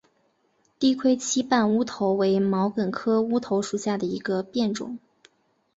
低盔膝瓣乌头为毛茛科乌头属下的一个变种。